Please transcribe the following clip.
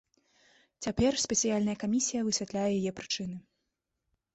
Цяпер спецыяльная камісія высвятляе яе прычыны.